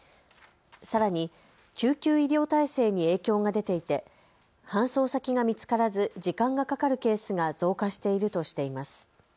さらに、救急医療体制に影響が出ていて、搬送先が見つからず時間がかかるケースが増加しているとしています。